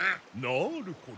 なるほど。